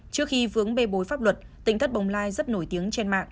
trước khi vướng bê bối pháp luật tỉnh thất bồng lai rất nổi tiếng trên mạng